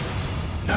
何！？